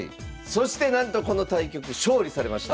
そしてなんとこの対局勝利されました。